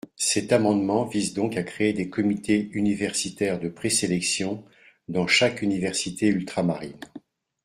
Cet amendement vise donc à créer des comités universitaires de présélection dans chaque université ultramarine.